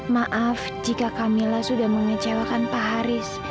maaf jika camilla sudah mengecewakan pak haris